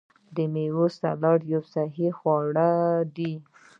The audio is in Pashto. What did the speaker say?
د میوو سلاد یو صحي خواړه دي.